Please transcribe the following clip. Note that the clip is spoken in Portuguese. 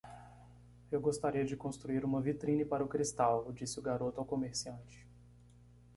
"Eu gostaria de construir uma vitrine para o cristal?", disse o garoto ao comerciante.